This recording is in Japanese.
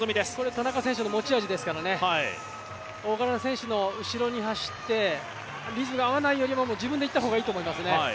田中選手の持ち味ですからね、他の選手の後ろを走ってリズムを崩さないで自分で行った方がいいと思いますね。